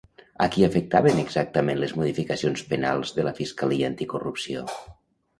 A qui afectaven exactament les modificacions penals de la Fiscalia Anticorrupció?